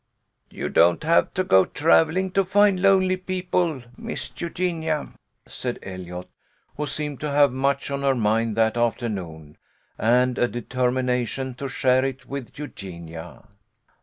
a You don't have to go travelling to find lonely people, Miss Eugenia," said Eliot, who seemed to have much on her mind that afternoon, and a deter mination to share it with Eugenia.